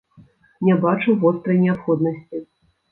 Не бачу вострай неабходнасці.